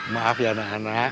maaf ya anak anak